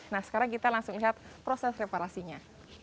nah sekarang kita langsung lihat proses reparasinya